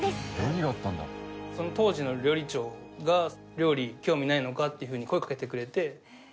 その当時の料理長が「料理興味ないのか？」っていうふうに声かけてくれて。